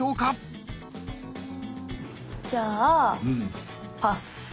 じゃあパス！